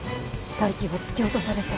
泰生は突き落とされた。